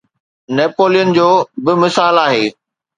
Napoleon جو به مثال آهي.